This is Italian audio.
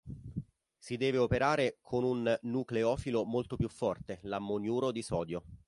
Si deve operare con un nucleofilo molto più forte: l'ammoniuro di sodio.